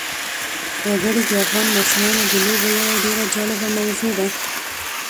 وګړي د افغان ماشومانو د لوبو یوه ډېره جالبه موضوع ده.